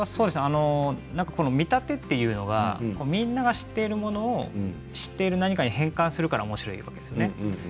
見立てというのはみんなが知っているものを知っている何かに変換するからおもしろいわけですよね。